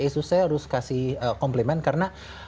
asus saya harus kasih komplimen karena